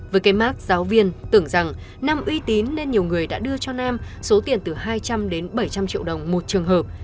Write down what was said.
với cái mark giáo viên tưởng rằng nam uy tín nên nhiều người đã đưa cho nam số tiền từ hai trăm linh đến bảy trăm linh triệu đồng một trường hợp